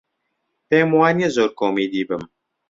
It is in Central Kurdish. پێم وا نییە زۆر کۆمیدی بم.